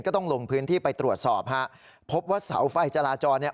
ก็ต้องลงพื้นที่ไปตรวจสอบฮะพบว่าเสาไฟจราจรเนี่ย